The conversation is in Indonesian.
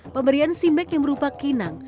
pemberian simek yang berupa kinang